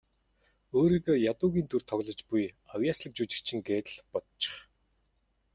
Өөрийгөө ядуугийн дүрд тоглож буй авъяаслагжүжигчин гээд л бодчих.